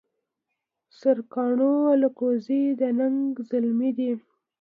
سرکاڼو الکوزي د ننګ زلمي دي